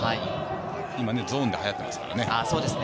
今ゾーンが流行ってますからね。